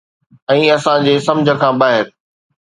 ۽ اسان جي سمجھ کان ٻاهر